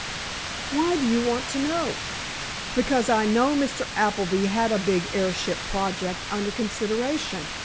"Why do you want to know?" "Because I know Mr. Appleby had a big airship project under consideration.